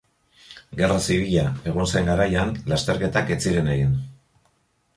Gerra Zibila egon zen garaian lasterketak ez ziren egin.